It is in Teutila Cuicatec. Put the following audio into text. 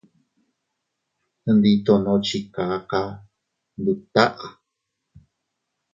Ndi tono chi kaka ndut taʼa.